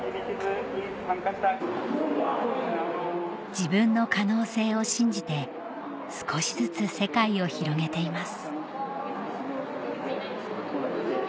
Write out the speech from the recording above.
自分の可能性を信じて少しずつ世界を広げています